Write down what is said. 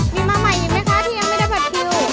มีมาใหม่อีกไหมคะที่ยังไม่ได้บัตรคิว